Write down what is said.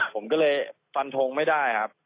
ผมก็เลยฟันทงไม่ได้ครับ